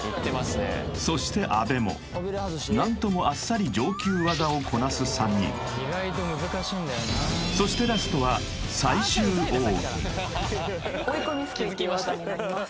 そして阿部も何ともあっさり上級技をこなす３人そしてラストはって技になります